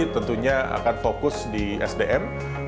tentunya akan fokus di sdm